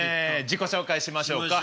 自己紹介しましょうか。